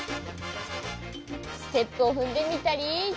ステップをふんでみたり。